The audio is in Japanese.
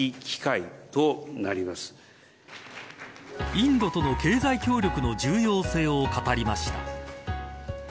インドとの経済協力の重要性を語りました。